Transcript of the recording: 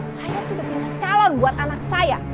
saya tuh udah punya calon buat anak saya